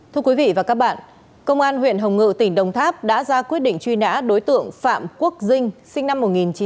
thưa quý vị và các bạn công an huyện hồng ngự tỉnh đồng tháp đã ra quyết định truy nã đối tượng phạm quốc dinh sinh năm một nghìn chín trăm tám mươi